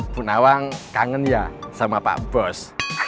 bu nawang kangen ya sama pak bos